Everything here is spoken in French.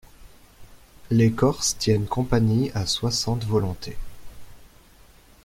Les corses tiennent compagnie à soixante volontés.